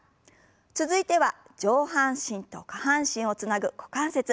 続いては上半身と下半身をつなぐ股関節。